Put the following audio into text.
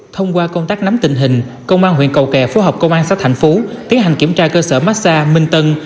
thông qua công tác nắm tình hình công an huyện cầu kè phối hợp công an xã thạnh phú tiến hành kiểm tra cơ sở massa minh tân